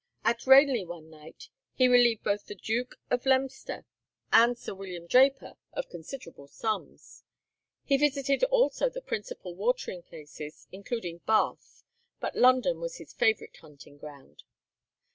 At Ranelagh one night he relieved both the Duke of Leinster and Sir William Draper of considerable sums. He visited also the principal watering places, including Bath, but London was his favourite hunting ground.